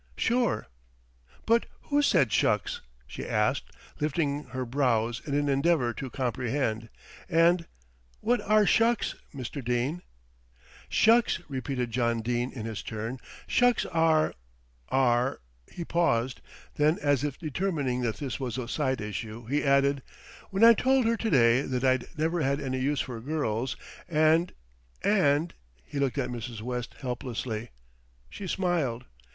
"Sure." "But who said 'shucks'?" she asked, lifting her brows in an endeavour to comprehend, "and what are 'shucks,' Mr. Dene?" "Shucks," repeated John Dene in his turn, "shucks are are " He paused, then as if determining that this was a side issue he added: "When I told her to day that I'd never had any use for girls, and and " He looked at Mrs. West helplessly. She smiled.